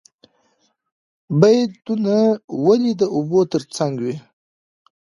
بید ونه ولې د اوبو تر څنګ وي؟